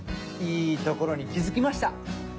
いいところに気づきました。